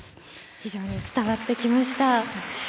非常に伝わってきました。